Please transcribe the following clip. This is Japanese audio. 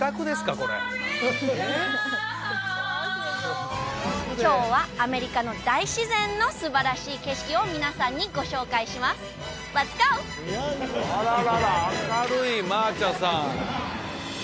これ今日はアメリカの大自然のすばらしい景色を皆さんにご紹介しますレッツゴー！